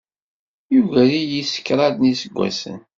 Yugar-iyi s kraḍ n yiseggasen.